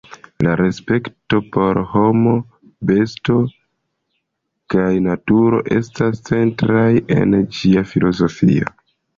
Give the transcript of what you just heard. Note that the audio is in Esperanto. La respekto por homo, besto kaj naturo estas centraj en ĝia filozofio.